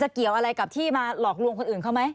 เกี่ยวอะไรกับที่มาหลอกลวงคนอื่นเขาไหม